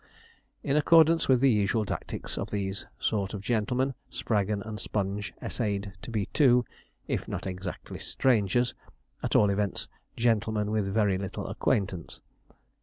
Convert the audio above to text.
In accordance with the usual tactics of these sort of gentlemen, Spraggon and Sponge essayed to be two if not exactly strangers, at all events gentlemen with very little acquaintance.